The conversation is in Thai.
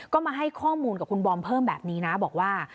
ก็มาให้ข้อมูลกับคุณบอมเพิ่มแบบนี้นะบอกว่า